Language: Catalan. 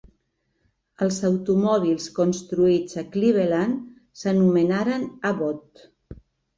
Els automòbils construïts a Cleveland s'anomenaren Abbott.